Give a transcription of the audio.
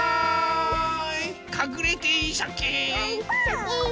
かくれていいシャキーン！